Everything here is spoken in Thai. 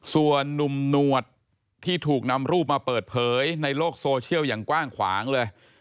ส่วนนุ่มหนวดที่ถูกนำรูปมาเปิดเผยในโลกโซเชียลอย่างกว้างขวางเลย